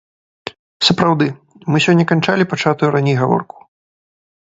Сапраўды, мы сёння канчалі пачатую раней гаворку.